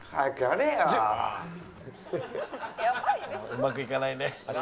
うまくいかないね。